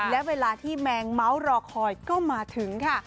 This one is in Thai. และเวลาที่แมงเม้ารอคอยก็มาถึงค่ะ